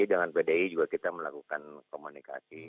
dengan pdi juga kita melakukan komunikasi